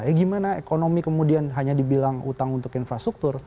eh gimana ekonomi kemudian hanya dibilang utang untuk infrastruktur